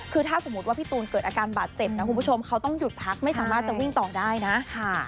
คือถ้าสมมุติว่าพี่ตูนเกิดอาการบาดเจ็บนะคุณผู้ชมเขาต้องหยุดพักไม่สามารถจะวิ่งต่อได้นะ